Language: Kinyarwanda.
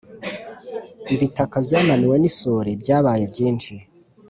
Ibitaka byamanuwe n’isuri byabaye byinshi